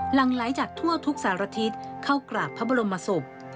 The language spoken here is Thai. หลังไหลจากทั่วทุกสารทิศเข้ากราบพระบรมศพ